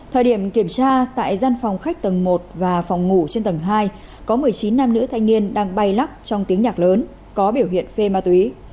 thời điểm kiểm tra tại gian phòng khách tầng một và phòng ngủ trên tầng hai có một mươi chín nam nữ thanh niên đang bay lắc trong tiếng nhạc lớn có biểu hiện phê ma túy